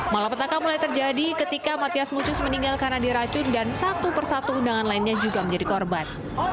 malah petaka mulai terjadi ketika matias mucus meninggalkan adi racun dan satu persatu undangan lainnya juga menjadi korban